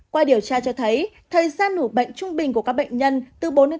qua điều tra cho thấy thời gian nổ bệnh trung bình của các bệnh nhân từ bốn đến tám giờ